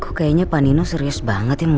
kok kayaknya pan nino serius banget ya mulai